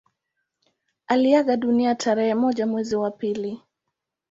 Aliaga dunia tarehe moja mwezi wa pili